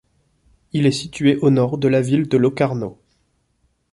Il est situé au nord de la ville de Locarno.